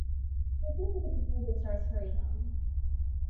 His work as a composer starts very young.